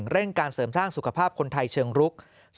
เร่งการเสริมสร้างสุขภาพคนไทยเชิงรุก